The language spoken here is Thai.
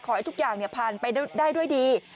ขอให้ทุกอย่างผ่านไปได้ด้วยดี